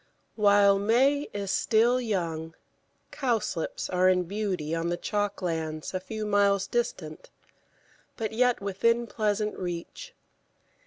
While May is still young, Cowslips are in beauty on the chalk lands a few miles distant, but yet within pleasant reach.